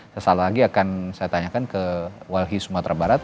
sesaat lagi akan saya tanyakan ke walhi sumatera barat